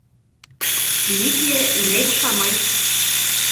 Лидия инәй бушамай.